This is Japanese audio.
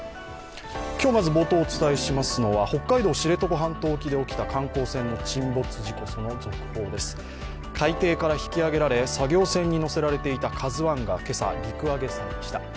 今日冒頭お伝えしますのは北海道知床半島沖で起きた沈没事故で海底から引き揚げられ、作業船に載せられていた「ＫＡＺＵⅠ」が今朝、陸揚げされました。